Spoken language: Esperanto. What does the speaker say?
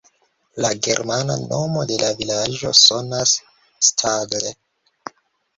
La germana nomo de la vilaĝo sonas "Staadl".